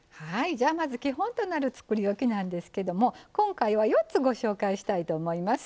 じゃあまず基本となるつくりおきなんですけども今回は４つご紹介したいと思います。